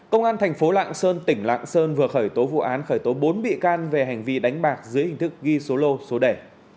công an thành phố lạng sơn tỉnh lạng sơn vừa khởi tố vụ án khởi tố bốn bị can về hành vi đánh bạc dưới hình thức ghi số lô số đẻ